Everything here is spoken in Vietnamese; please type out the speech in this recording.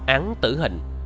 án tử hình